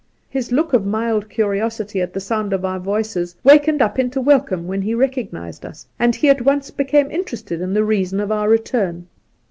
His look of mild curiosity at the sound of our voices wakened up into welcome when he recognised us, and he at once became interested in the reason of our return.